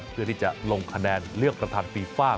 เพื่อที่จะลงคะแนนเลือกประธานฟีฟ่า